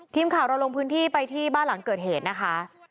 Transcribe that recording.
ทีมข่าวเราลงพื้นที่ไปที่บ้านหลังเกิดเหตุนะคะ